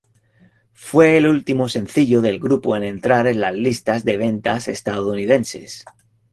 Fue el último sencillo del grupo en entrar en las listas de ventas estadounidenses.